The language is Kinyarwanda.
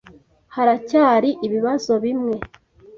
Haracyari ibibazo bimwe.